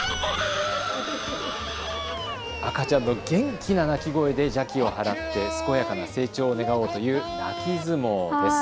赤ちゃんの元気な泣き声で邪気を払って健やかな成長を願おうという泣き相撲です。